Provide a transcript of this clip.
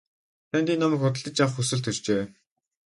Танд энэ номыг худалдаж авах хүсэл төржээ.